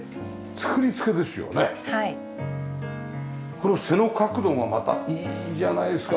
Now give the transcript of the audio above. この背の角度がまたいいじゃないですか。